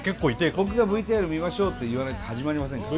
僕がＶＴＲ見ましょうって言わなきゃ始まりませんから。